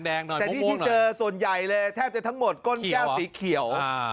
แต่นี่ที่เจอส่วนใหญ่เลยแทบจะทั้งหมดก้นแก้วสีเขียว